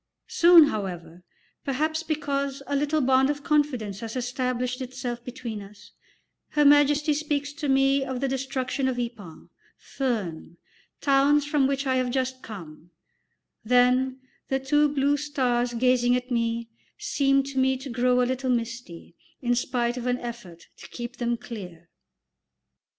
Soon, however, perhaps because a little bond of confidence has established itself between us, Her Majesty speaks to me of the destruction of Ypres, Furnes, towns from which I have just come; then the two blue stars gazing at me seem to me to grow a little misty, in spite of an effort to keep them clear.